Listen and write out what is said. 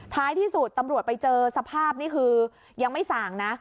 ท้ายที่สุดตำรวจไปเจอสภาพนี่คือยังไม่สั่งนะ